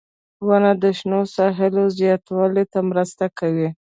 • ونه د شنو ساحو زیاتوالي ته مرسته کوي.